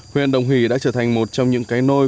huyện đồng hỷ đã trở thành một trong những cái nôi